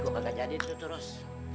kok gak jadi itu terus